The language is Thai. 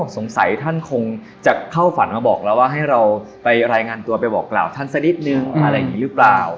สงสัยท่านคงจะเข้าฝันมาบอกแล้วว่าให้เราไปรายงานตัวไปบอกกล่าวท่านสักนิดนึงอะไรอย่างนี้หรือเปล่า